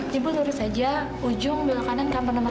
cipul lurus aja ujung belakangan kamar nomor delapan